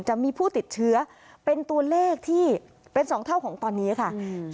จะมีผู้ติดเชื้อเป็นตัวเลขที่เป็นสองเท่าของตอนนี้ค่ะอืม